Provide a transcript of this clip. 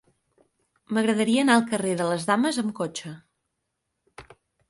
M'agradaria anar al carrer de les Dames amb cotxe.